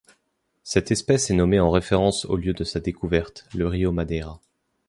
Cette espèce est nommée en référence au lieu de sa découverte, le rio Madeira.